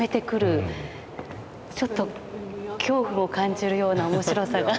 ちょっと恐怖を感じるような面白さがある。